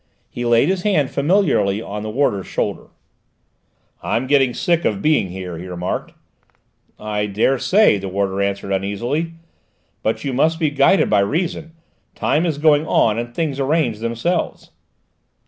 He laid his hand familiarly on the warder's shoulder. "I'm getting sick of being here," he remarked. "I dare say," the warder answered uneasily; "but you must be guided by reason; time is going on, and things arrange themselves."